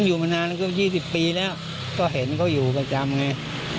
อยู่มานานแล้วก็๒๐ปีแล้วก็เห็นเขาอยู่ประจำไง